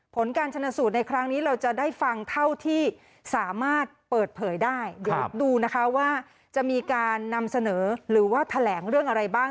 ผลการชนสูตรในครั้งนี้เราจะได้ฟังเท่าที่สามารถเปิดเผยได้เดี๋ยวดูนะคะว่าจะมีการนำเสนอหรือว่าแถลงเรื่องอะไรบ้าง